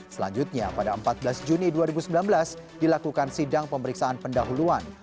selanjutnya pada empat belas juni dua ribu sembilan belas dilakukan sidang pemeriksaan pendahuluan